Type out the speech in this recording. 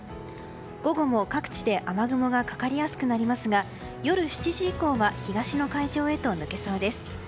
午後も各地で雨雲がかかりやすくなりますが夜７時以降は東の海上へと抜けそうです。